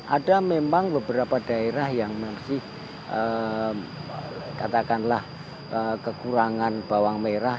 ada memang beberapa daerah yang masih katakanlah kekurangan bawang merah